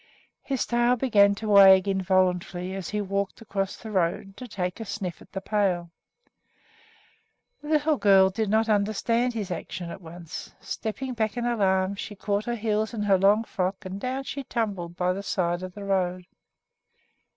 His tail began to wag involuntarily as he walked across the road to take a sniff at the pail. The little girl did not understand his action at once. Stepping back in alarm, she caught her heels in her long frock and down she tumbled by the side of the road.